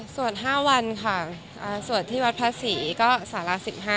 ๕วันค่ะสวดที่วัดพระศรีก็สาระ๑๕